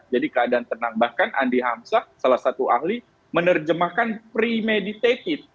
jadi keadaan tenang bahkan andi hamsa salah satu ahli menerjemahkan premeditated